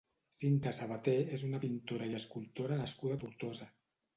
Cinta Sabaté és una pintora i escultora nascuda a Tortosa.